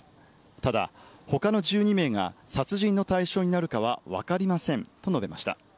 ただ、ほかの１２名が殺人の対象になるかは分かりませんと述べました。